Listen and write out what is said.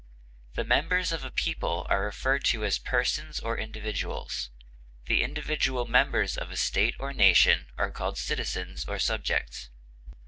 The members of a people are referred to as persons or individuals; the individual members of a state or nation are called citizens or subjects.